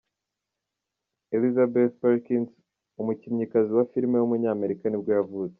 Elizabeth Perkins, umukinnyikazi wa filime w’umunyamerika nibwo yavutse.